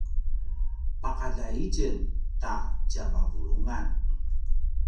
paqaljai itjen ta tjavavulungan